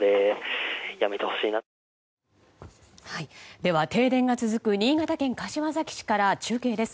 では、停電が続く新潟県柏崎市から中継です。